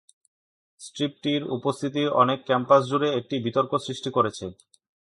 স্ট্রিপটির উপস্থিতি অনেক ক্যাম্পাস জুড়ে একটি বিতর্ক সৃষ্টি করেছে।